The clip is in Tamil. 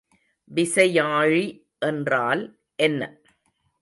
விசையாழி என்றால் என்ன?